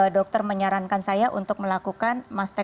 dokter menyarankan saya untuk melakukan masker